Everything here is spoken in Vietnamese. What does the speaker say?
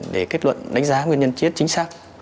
để kết luận đánh giá nguyên nhân chết chính xác